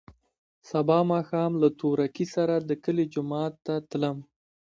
سبا ماښام له تورکي سره د کلي جومات ته تلم.